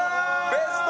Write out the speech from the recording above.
ベスト！